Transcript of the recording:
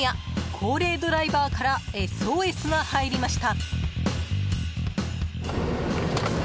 高齢ドライバーからＳＯＳが入りました。